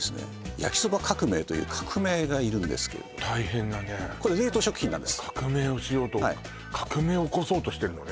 焼そば革命という革命がいるんですけれども大変なねこれ冷凍食品なんです革命を起こそうとしてるのね